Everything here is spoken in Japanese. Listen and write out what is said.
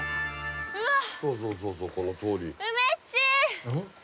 うわっ！